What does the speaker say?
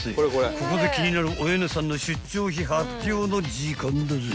［ここで気になるおよねさんの出張費発表の時間だぜ］